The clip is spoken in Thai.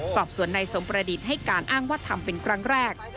สอบสวนนายสมประดิษฐ์ให้การอ้างว่าทำเป็นครั้งแรก